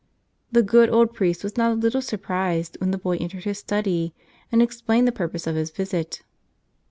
The good old priest was not a little sur¬ prised when the boy entered his study and explained the purpose of his visit.